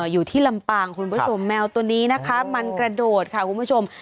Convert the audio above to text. อยู่ที่ลำปางคุณผู้ชมแมวตัวนี้นะคะมันกระโดดค่ะคุณผู้ชม